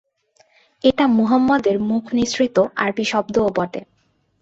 এটা মুহাম্মদ এর মুখ নিঃসৃত আরবি শব্দও বটে।